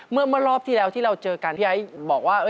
เมื่อรอบที่แล้วที่เราเจอกันพี่ไอ้บอกว่า